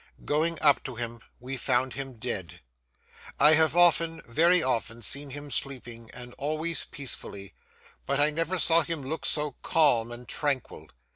Going up to him, we found him dead. I have often, very often, seen him sleeping, and always peacefully, but I never saw him look so calm and tranquil.